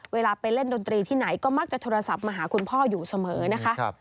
เวลาไปเล่นดนตรีที่ไหนก็มักจะโทรศัพท์มาหาคุณพ่ออยู่เสมอนะคะ